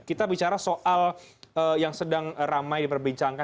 kita bicara soal yang sedang ramai diperbincangkan